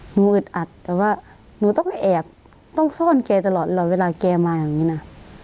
อึดอัดแต่ว่าหนูต้องไปแอบต้องซ่อนแกตลอดเวลาแกมาอย่างนี้นะ